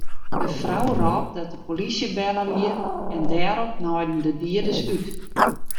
De frou rôp dat de polysje belle wie en dêrop naaiden de dieders út.